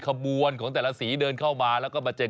ขบวนของแต่ละสีเดินเข้ามาแล้วก็มาเจอ